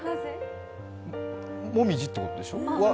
もみじってことでしょ？